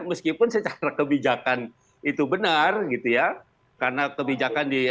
meskipun secara kebijakan